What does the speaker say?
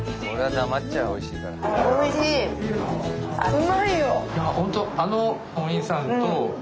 うまいよ！